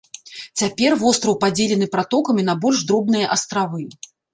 Цяпер востраў падзелены пратокамі на больш дробныя астравы.